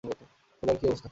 শোলার কী অবস্থা?